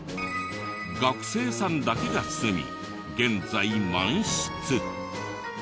学生さんだけが住み現在満室。